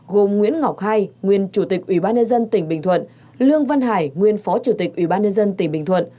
gồm nguyễn ngọc hai nguyên chủ tịch ủy ban nhân dân tỉnh bình thuận lương văn hải nguyên phó chủ tịch ủy ban nhân dân tỉnh bình thuận